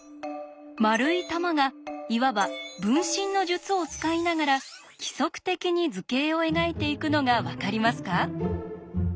丸い玉がいわば「分身の術」を使いながら規則的に図形を描いていくのが分かりますか？